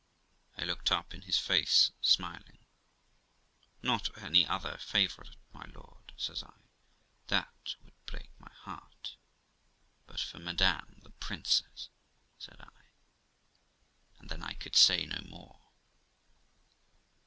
I looked up in his face, smiling. 'Not for any other favourite, my lord', says I; 'that would break my heart; but for madam the princess!' said I; and then I could say no more.